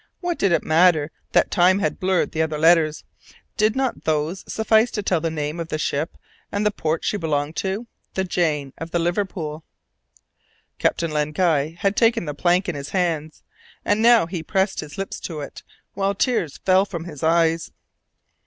What did it matter that time had blurred the other letters? Did not those suffice to tell the name of the ship and the port she belonged to? The Jane of Liverpool! Captain Len Guy had taken the plank in his hands, and now he pressed his lips to it, while tears fell from his eyes.